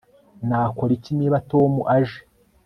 Nakora iki niba Tom aje